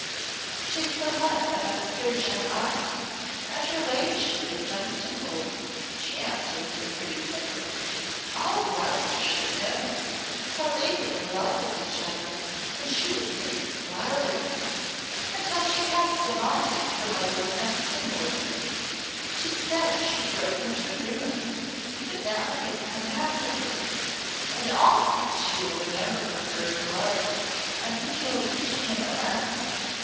"'Tis the one about Sir John Oxon and her ladyship of Dunstanwolde," she answered, with a pretty simper. "All Gloucestershire knew how they were in love with each other when she was Mistress Wildairs until she cast him off for my Lord Dunstanwolde. 'Tis said she drove him to ruin but now he has come back to her, and all think she will remember her first love and yield to him at last.